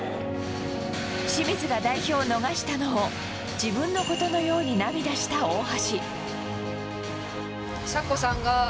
清水が代表を逃したのを自分のことのように涙した大橋。